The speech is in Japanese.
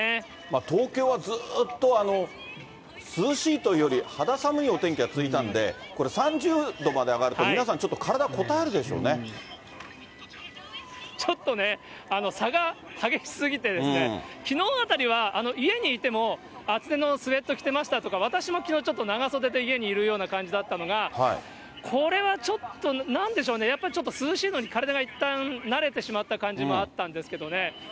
東京はずっと、涼しいというより、肌寒いお天気が続いたんで、これ、３０度まで上がると、皆さんちょっと、ちょっとね、差が激しすぎて、きのうあたりは、家にいても、厚手のスエット着てましたとか、私もきのう、ちょっと長袖で家にいるような感じだったのが、これはちょっと、なんでしょうね、やっぱりちょっと涼しいのに体がいったん慣れてしまった感じもあったんですけどね。